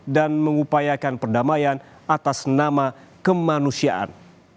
mengupayakan perdamaian atas nama kemanusiaan